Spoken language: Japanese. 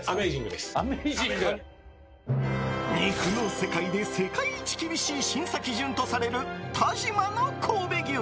肉の世界で世界一厳しい審査基準とされる但馬の神戸牛。